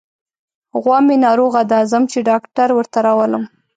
غوا مې ناروغه ده، ځم چې ډاکټر ورته راولم.